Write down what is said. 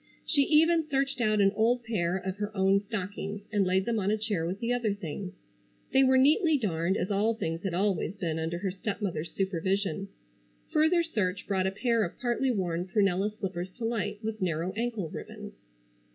She even searched out an old pair of her own stockings and laid them on a chair with the other things. They were neatly darned as all things had always been under her stepmother's supervision. Further search brought a pair of partly worn prunella slippers to light, with narrow ankle ribbons.